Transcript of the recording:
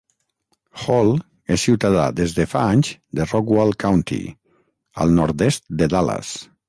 Hall és ciutadà des de fa anys de Rockwall County, al nord-est de Dallas.